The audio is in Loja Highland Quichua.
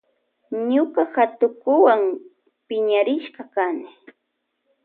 Ñuka hatukuwa piñarishka kani.